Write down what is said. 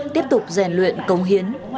tiếp tục rèn luyện cống hiến